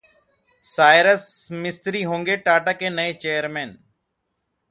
Cyrus Mistry होंगे टाटा के नए चेयरमैन